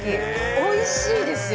おいしいですよ。